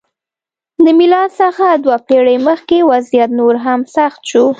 له میلاد څخه دوه پېړۍ مخکې وضعیت نور هم سخت شو.